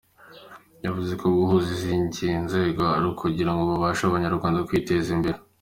Yavuze ko guhuza izi nzego ari ukugira ngo bafashe Abanyarwanda kwiteza imbere.